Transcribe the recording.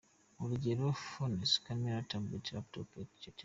Urugero: “Phones, Camera, Tablets ,Laptops etc…”